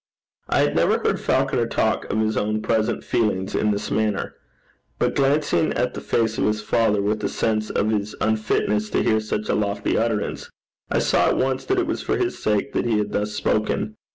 I had never heard Falconer talk of his own present feelings in this manner; but glancing at the face of his father with a sense of his unfitness to hear such a lofty utterance, I saw at once that it was for his sake that he had thus spoken.